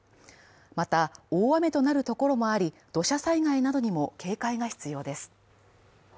また、大雨となるところもあり、土砂災害などにも警戒が必要です。